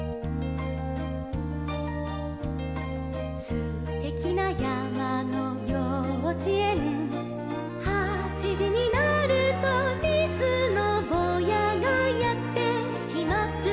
「すてきなやまのようちえん」「はちじになると」「リスのぼうやがやってきます」